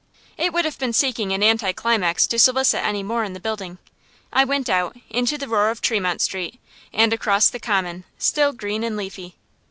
It would have been seeking an anticlimax to solicit any more in the building. I went out, into the roar of Tremont Street, and across the Common, still green and leafy.